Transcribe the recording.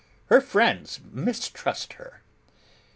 'Her friends mistrust her.